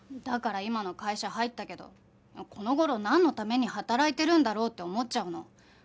だから今の会社入ったけどこの頃なんのために働いてるんだろうって思っちゃうの。